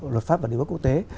luật pháp và điều báo quốc tế